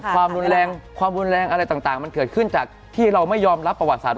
ความรุนแรงความรุนแรงอะไรต่างมันเกิดขึ้นจากที่เราไม่ยอมรับประวัติศาสต